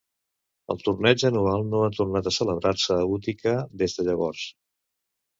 El torneig anual no ha tornat a celebrar-se a Utica des de llavors.